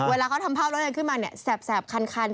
เวลาเขาทำภาพล้อเลียนขึ้นมาแสบคัน